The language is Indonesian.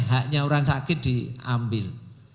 haknya orang sakit diambil